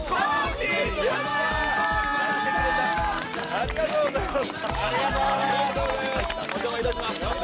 ありがとうございます。